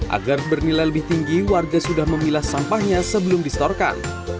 agar bernilai lebih tinggi warga sudah memilah sampahnya sebelum distorkan